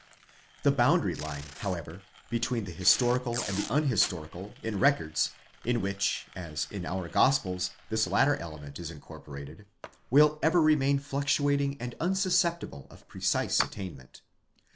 The boundary line, however, between the historical and the unhistorical, in records, in which as in our Gospels this latter element is incorporated, will ever remain fluctuating and unsusceptible of precise attainment.